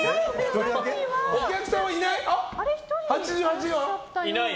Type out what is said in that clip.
お客さんはいない？